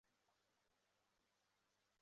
在今内蒙古自治区东部。